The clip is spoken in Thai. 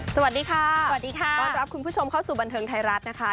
สวัสดีค่ะก็ตรับคุณผู้ชมเข้าสู่บันเทิงไทรัสนะคะ